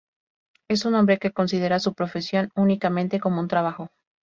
Es un hombre que considera su profesión únicamente como un trabajo.